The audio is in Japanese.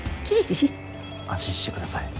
安心して下さい。